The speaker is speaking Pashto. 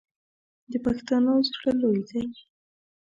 د پښتنو زړه لوی دی.